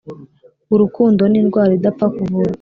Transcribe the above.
urukundo ni indwara idapfa kuvurwa